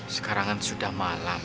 sekarang kan sudah malam